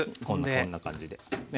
こんな感じでね。